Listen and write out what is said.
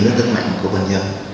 đến tính mạnh của bệnh nhân